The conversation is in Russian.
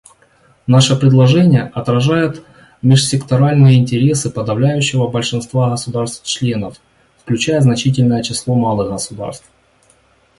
Наше предложение отражает межсекторальные интересы подавляющего большинства государств-членов, включая значительное число малых государств.